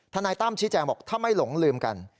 นายตั้มชี้แจงบอกถ้าไม่หลงลืมกัน